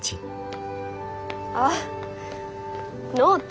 ああノート。